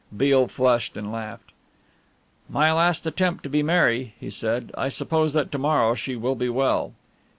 Beale flushed and laughed. "My last attempt to be merry," he said. "I suppose that to morrow she will be well."